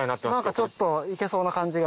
ちょっと行けそうな感じが。